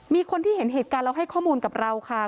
มีคนที่เห็นเหตุการณ์เราให้ข้อมูลกับเราค่ะ